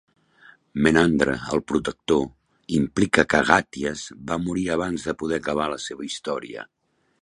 Menandre el Protector implica que Agàties va morir abans de poder acabar la seva història.